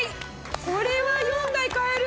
これは４台買える。